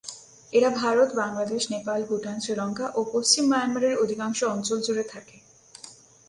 এরা ভারত, বাংলাদেশ, নেপাল, ভুটান, শ্রীলঙ্কা ও পশ্চিম মায়ানমারের অধিকাংশ অঞ্চল জুড়ে থাকে।